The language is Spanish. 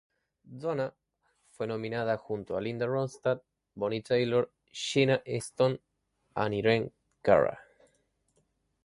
Donna fue nominada junto a Linda Ronstadt, Bonnie Tyler, Sheena Easton, e Irene Cara.